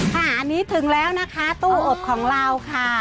ค่ะอันนี้ถึงแล้วนะคะตู้อบของเราค่ะ